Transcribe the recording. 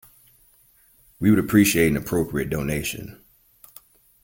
We would appreciate an appropriate donation